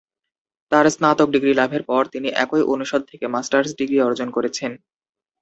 তার স্নাতক ডিগ্রি লাভের পর, তিনি একই অনুষদ থেকে মাস্টার্স ডিগ্রি অর্জন করেছেন।